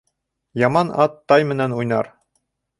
Яман ат тай менән уйнар